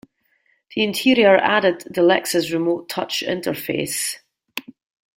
The interior added the Lexus Remote Touch interface.